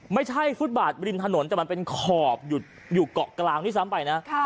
ไม่ใช่ชุดบาดลินถนนแต่มันเป็นขอบอยู่เกาะกลางที่ซ้ำไปนะค่ะ